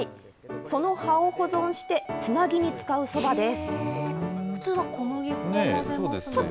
その葉を保存して、つなぎに使うそばです。